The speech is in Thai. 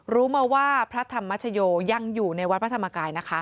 รู้มาว่าพระธรรมชโยยังอยู่ในวัดพระธรรมกายนะคะ